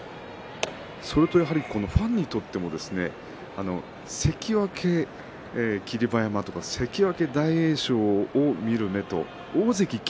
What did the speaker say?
それとファンにとっても関脇霧馬山とか関脇大栄翔を見る目と大関霧